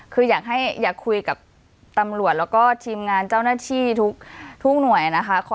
คืออยากคุยกับตำรวจแล้วก็ทีมงานเจ้าหน้าที่ทุกหน่วยนะคะ